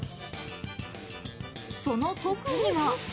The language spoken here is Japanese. その特技は。